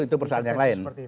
itu persoalan yang lain